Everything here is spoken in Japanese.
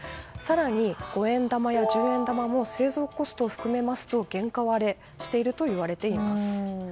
更に、五円玉や十円玉も製造コストを含めますと原価割れしているといわれています。